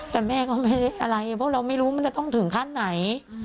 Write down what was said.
แต่แม่ก็ไม่ได้อะไรเพราะเราไม่รู้มันจะต้องถึงขั้นไหน